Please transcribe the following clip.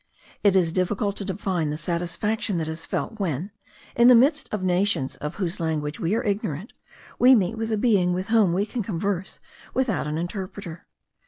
It is difficult to define the satisfaction that is felt when, in the midst of nations of whose language we are ignorant, we meet with a being with whom we can converse without an interpreter.